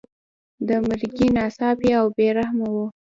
د مرګي ناڅاپي او بې رحمه وو.